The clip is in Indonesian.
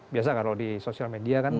biasa kalau di sosial media kan